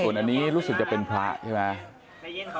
ส่วนอันนี้รู้สึกจะเป็นพระใช่ไหม